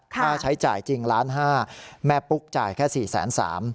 ค่าใช้จ่ายจริงล้านห้าแม่ปุ๊กจ่ายแค่๔๓๐๐บาท